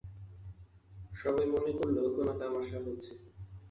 সবাই মনে করল কোনো-তামাশা হচ্ছে।